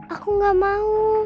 aku gak mau